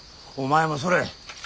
お前もそれ。